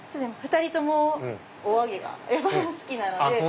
２人ともお揚げが好きなので。